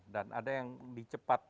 dan ada yang di cepat